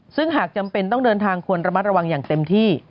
ซึ่งหากจำเป็นต้องเดินทางควรระมัดระวังอย่างเต็มที่